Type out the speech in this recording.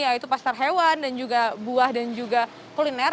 yaitu pasar hewan dan juga buah dan juga kuliner